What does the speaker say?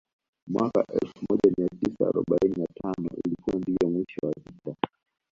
Mwaka wa elfu moj mia tisa arobaini na tano ilikuwa ndio mwisho wa vita